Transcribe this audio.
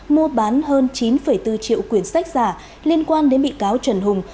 mua bán hơn chín bốn triệu quyền sách giả liên quan đến bị cáo trần hùng